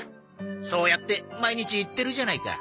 そうやって毎日言ってるじゃないか。